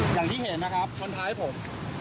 อย่างที่เห็นเข้าถ้าง้ายผม